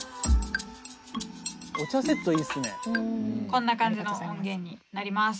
こんな感じの音源になります。